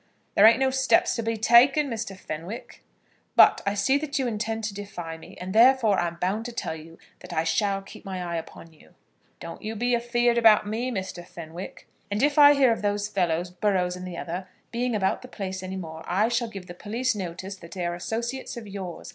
"There ain't no steps to be taken, Mr. Fenwick." "But I see that you intend to defy me, and therefore I am bound to tell you that I shall keep my eye upon you." "Don't you be afeard about me, Mr. Fenwick." "And if I hear of those fellows, Burrows and the other, being about the place any more, I shall give the police notice that they are associates of yours.